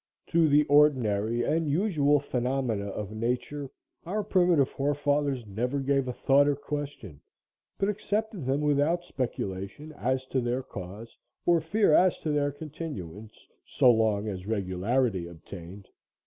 To the ordinary and usual phenomena of nature our primitive forefathers never gave a thought or question, but accepted them without speculation as to their cause or fear as to their continuance, so long as regularity obtained.